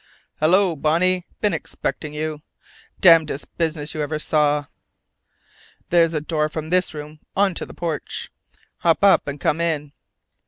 "Hello, Bonnie! Been expecting you.... Damnedest business you ever saw.... There's a door from this room onto the porch. Hop up and come on in."